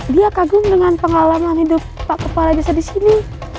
dia kagum dengan pengalaman hidup pak kepala desa di sini